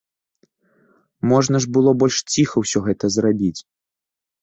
Можна ж было больш ціха ўсё гэта зрабіць.